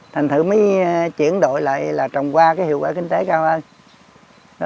thành thử mới chuyển đổi lại là trồng hoa cái hiệu quả kinh tế cao hơn